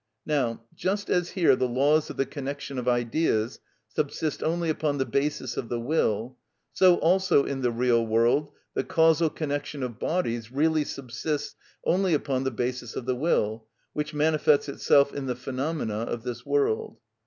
Now just as here the laws of the connection of ideas subsist only upon the basis of the will, so also in the real world the causal connection of bodies really subsists only upon the basis of the will, which manifests itself in the phenomena of this world.